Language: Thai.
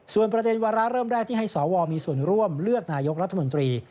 ส่วนประเด็นวาระเริ่มแรกที่ให้สวมีส่วนร่วมเลือกนายกรัฐมนตรี